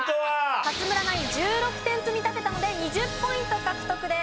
勝村ナイン１６点積み立てたので２０ポイント獲得です。